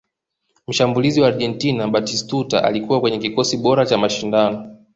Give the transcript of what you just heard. mshambulizi wa argentina batistuta alikuwa kwenye kikosi bora cha mashindano